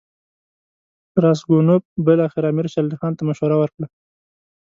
راسګونوف بالاخره امیر شېر علي خان ته مشوره ورکړه.